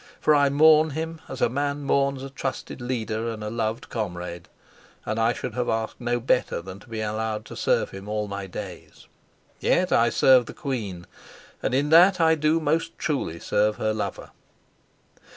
For I mourn him as a man mourns a trusted leader and a loved comrade, and I should have asked no better than to be allowed to serve him all my days. Yet I serve the queen, and in that I do most truly serve her lover.